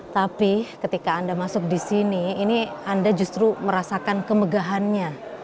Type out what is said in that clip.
tapi ketika anda masuk di sini ini anda justru merasakan kemegahannya